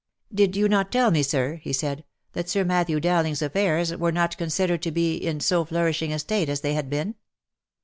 " Did you not tell me, sir." he said, " that Sir Matthew Dowling's affairs were not considered to be in so flourishing a state as they had been